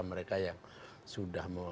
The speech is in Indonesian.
mereka memang tidak memiliki efek terhadap mereka